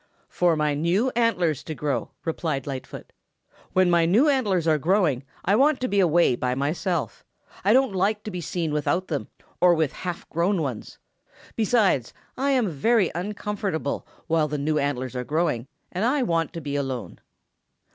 "For my new antlers to grow," replied Lightfoot. "When my new antlers are growing, I want to be away by myself. I don't like to be seen without them or with half grown ones. Besides, I am very uncomfortable while the new antlers are growing and I want to be alone."